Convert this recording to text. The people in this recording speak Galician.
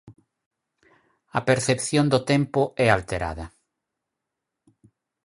A percepción do tempo é alterada.